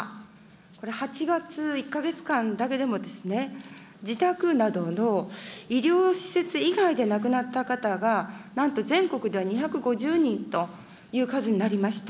これ、８月、１か月間だけでも、自宅などの、医療施設以外で亡くなった方が、なんと全国では２５０人という数になりました。